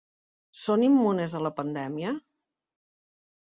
Són immunes a la pandèmia?